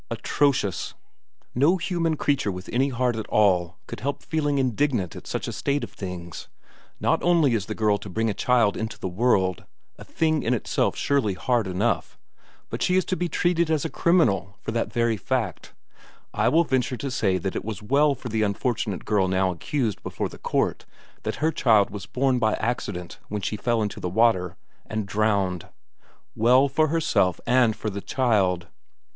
Atrocious! No human creature with any heart at all could help feeling indignant at such a state of things. Not only is the girl to bring a child into the world, a thing in itself surely hard enough, but she is to be treated as a criminal for that very fact. I will venture to say that it was well for the unfortunate girl now accused before the court that her child was born by accident when she fell into the water, and drowned. Well for herself and for the child.